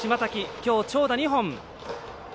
きょう、長打２本。